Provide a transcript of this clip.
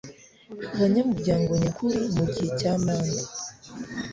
banyamuryango nyakuri mu gihe cya manda